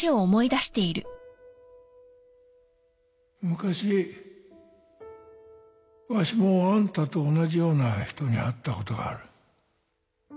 昔わしもあんたと同じような人に会ったことがある